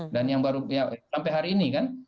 dan yang baru ya sampai hari ini kan